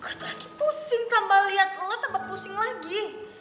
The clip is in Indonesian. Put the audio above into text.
gue tuh lagi pusing tambah liat lo tampak pusing lagi